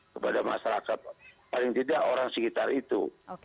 kepada masyarakat paling tidak orang sekitar itu